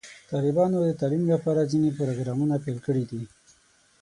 طالبانو د تعلیم لپاره ځینې پروګرامونه پیل کړي دي.